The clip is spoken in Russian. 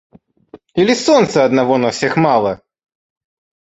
Или солнца одного на всех мало?!